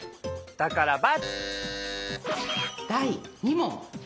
だから×！